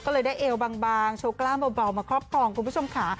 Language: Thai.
ก็เลยได้เอวบางโชว์กล้ามเบามาครอบครองคุณผู้ชมค่ะ